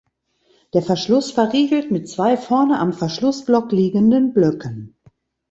Der Verschluss verriegelt mit zwei vorne am Verschlussblock liegenden Blöcken.